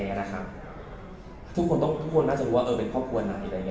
แท้นะคะทุกคนต้องทุกคนน่าจะรู้ว่าเออเป็นครอบครัวไหนอะไรอย่างเงี้ย